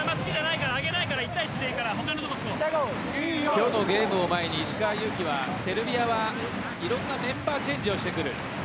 今日のゲームを前に石川祐希はセルビアはいろんなメンバーチェンジをしてくる。